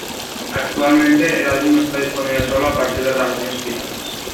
Actualmente, el álbum está disponible sólo a partir de grabaciones piratas.